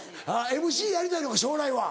ＭＣやりたいのか将来は。